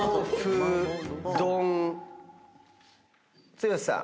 剛さん